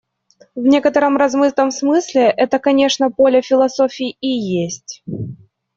В некотором размытом смысле это, конечно, поле философии и есть.